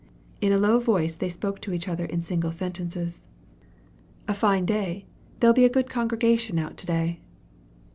In a low voice, they spoke to each other in single sentences. "A fine day! There'll be a good congregation out to day."